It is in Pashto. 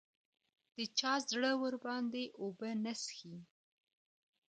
د چا زړه ورباندې اوبه نه څښي